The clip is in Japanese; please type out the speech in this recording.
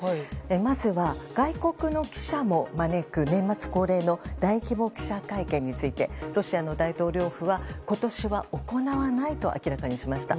まずは外国の記者も招く年末恒例の大規模記者会見についてロシアの大統領府は今年は行わないと明らかにしました。